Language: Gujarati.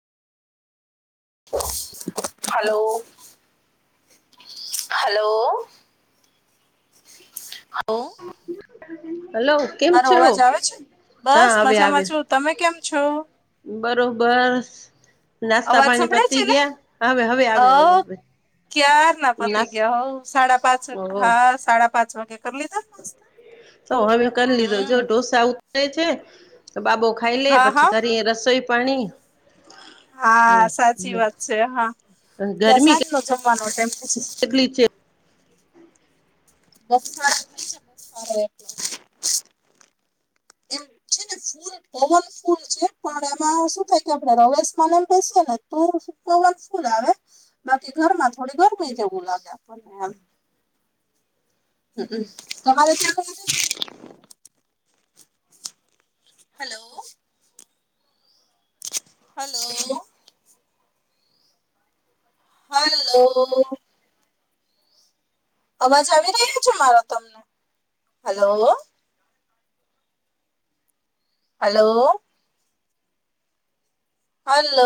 હલો. હલો હ હલો. કેમ મારો છો અવાજ આવે છે? હા બસ આવે આવે મજામાં છો, તમે કેમ છો? બરોબર. નાસ્તા અવાજ પાણી સંભળાય છે પતી ગયા? હવે હવે આવે હવે આવે ક્યારના પતી નાસ ગયા હઉ, સાડા પાંચ ઓહ હા સાડા પાંચ વાગે કરી લીધા તો હવે કર લીધો, જો હમ ઢોસા ઉતરે છે તો બાબો ખા ખાઈ લે હા પછી હા કરી રસોઈ પાણી હા હમ સાચી વાત છે હા, ત્યાં ગરમી સાંજ નો જમવાનો ટાઈમ [unintelligible] [unintelligible] ને ફૂલ પવન ફૂલ છે, પણ એમાં શું થાય કે આપડે રવેશમાંનમ બેસીને તો પવન ફુલ આવે, બાકી ઘરમાં થોડી ગરમી જેવું લાગે આપણનેમ હમમ તમારે ત્યાં છે હલો હલો. હલો. અવાજ આવી રહ્યો છે મારો તમને હલો હલો હલો